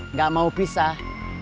nggak mau pisah